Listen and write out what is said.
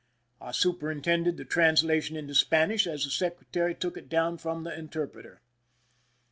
I superintended the translation into Spanish as the secretary took it down from the interpreter.